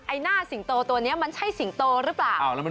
หน้าสิงโตตัวนี้มันใช่สิงโตหรือเปล่า